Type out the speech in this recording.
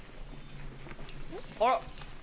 あら？